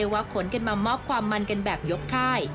ว่าขนกันมามอบความมันกันแบบยกค่าย